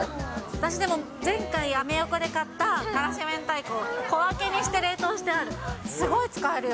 私でも、前回、アメ横で買った辛子明太子、小分けにして冷凍してある。